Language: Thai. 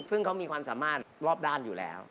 ซึ่งเขามีความสามารถรอบด้านอยู่แล้ว